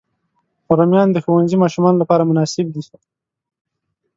رومیان د ښوونځي ماشومانو لپاره مناسب دي